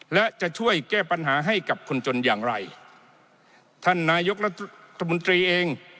และจะช่วยแก้ปัญหาให้กับคนจนอย่างไรท่านนายกรัฐมนตรีเอง